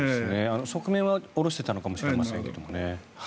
側面は下ろしていたのかもしれませんけどね。